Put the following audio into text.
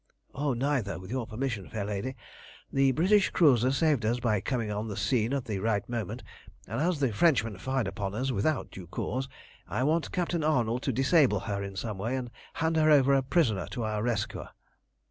"Neither, with your permission, fair lady. The British cruiser saved us by coming on the scene at the right moment, and as the Frenchman fired upon us without due cause, I want Captain Arnold to disable her in some way and hand her over a prisoner to our rescuer."